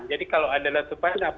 jadi kalau ada lutupan